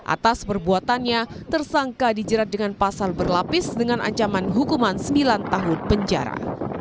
atas perbuatannya tersangka dijerat dengan pasal berlapis dengan ancaman hukuman sembilan tahun penjara